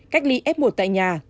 cách ly f một tại nhà